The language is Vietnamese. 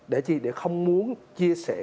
để chi để không muốn chia sẻ